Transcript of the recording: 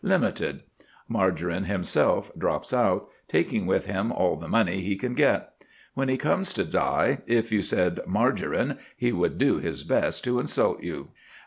Limited. Margarine himself drops out, taking with him all the money he can get. When he comes to die, if you said "Margarine," he would do his best to insult you.